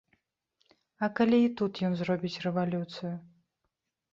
А калі і тут ён зробіць рэвалюцыю?